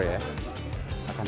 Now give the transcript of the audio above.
itu bukan lagi untuk bertempur